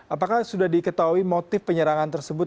apakah sudah diketahui motif penyerangan tersebut